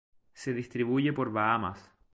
Se distribuye por Bahamas.